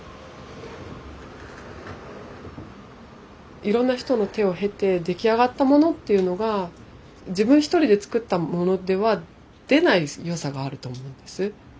いろんな人の手を経て出来上がったものっていうのが自分一人で作ったものでは出ない良さがあると思うんです。